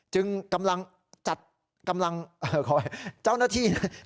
จึงกำลังจัดกำลังเอ่อขอแขวนเจ้าหน้าที่น่ะ